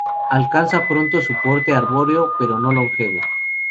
Alcanza pronto su porte arbóreo, pero no longevo.